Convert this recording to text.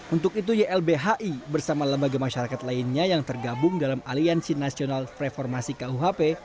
untuk itu ylbhi bersama lembaga masyarakat lainnya yang tergabung dalam aliansi nasional reformasi kuhp